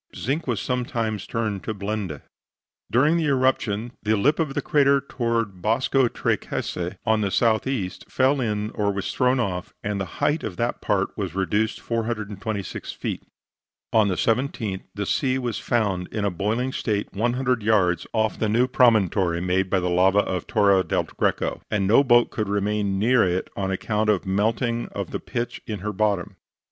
Zinc was sometimes turned to blende. During the eruption, the lip of the crater toward Bosco Tre Case on the south east, fell in, or was thrown off, and the height of that part was reduced 426 feet. On the 17th, the sea was found in a boiling state 100 yards off the new promontory made by the lava of Torre del Greco, and no boat could remain near it on account of the melting of the pitch in her bottom.